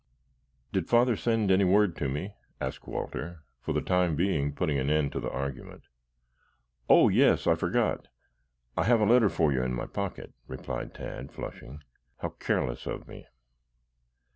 "Did Father send any word to me?" asked Walter, for the time being putting an end to the argument. "Oh, yes, I forgot. I have a letter for you in my pocket," replied Tad, flushing. "How careless of me."